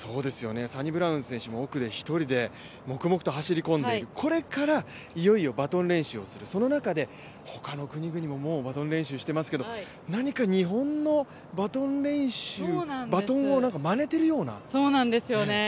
サニブラウン選手も奥で１人で黙々と走り込んで、これからいよいよバトン練習をするその中での他の国々ももうバトン練習してますけど何か日本のバトン練習をまねているような感じがありますね。